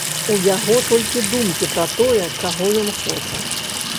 У яго толькі думкі пра тое, чаго ён хоча.